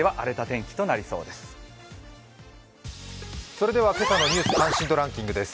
それでは今朝の「ニュース関心度ランキング」です。